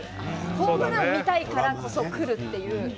ホームランを見たいからこそくるという。